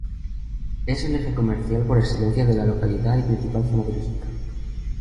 Es el eje comercial por excelencia de la localidad y principal zona turística.